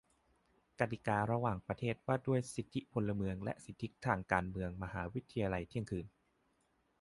กติการะหว่างประเทศว่าด้วยสิทธิพลเมืองและสิทธิทางการเมือง มหาวิทยาลัยเที่ยงคืน